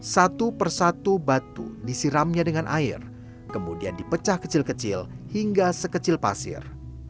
satu persatu batu disiramnya dengan air kemudian dipecah kecil kecil hingga sekecil pasir